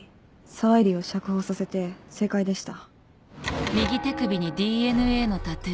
沢入を釈放させて正解でした。